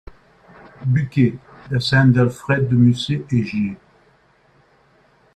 Bucquet : la scène d'Alfred de Musset et G.